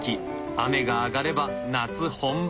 雨が上がれば夏本番！